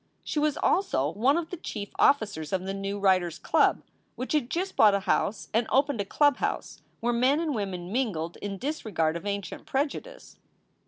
She was also one of the chief officers of the new Writers Club, which had just bought a house and opened a clubhouse where men and women mingled in dis regard of ancient prejudice.